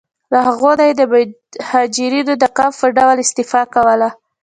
له هغو نه یې د مهاجرینو د کمپ په ډول استفاده کوله.